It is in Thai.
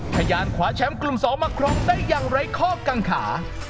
พยานขวาแชมป์กลุ่ม๒มาครองได้อย่างไร้ข้อกังขา